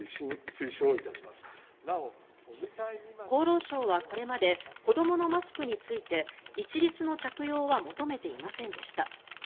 厚労省はこれまで子どものマスクについて一律の着用は求めていませんでした。